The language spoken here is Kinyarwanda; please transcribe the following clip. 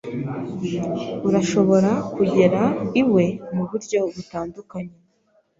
Urashobora kugera iwe muburyo butandukanye.